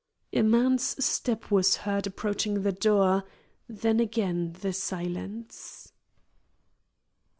A man's step was heard approaching the door, then again the silence.